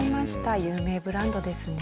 有名ブランドですね。